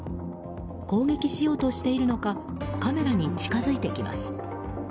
攻撃しようとしているのかカメラに近づいてきます。